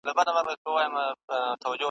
یو الله ج خبر وو .